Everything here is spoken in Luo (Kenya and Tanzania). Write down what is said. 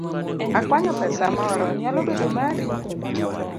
Akwanyo pesa moro , nyalo bedo mari?